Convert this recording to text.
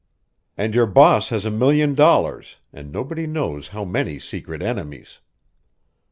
"And your boss has a million dollars and nobody knows how many secret enemies.